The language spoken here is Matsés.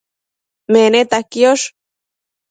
Meneta quiosh